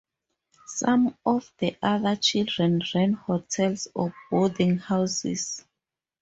Some of the other children ran hotels or boardinghouses.